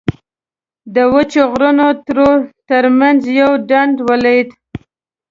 د وچو غرنیو تړو تر منځ یو ډنډ ولید.